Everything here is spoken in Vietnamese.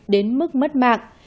đến mức mất mạng